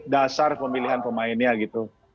dasar pemilihan pemainnya gitu